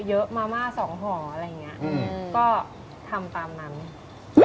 ฮ่าบ่อยอยู่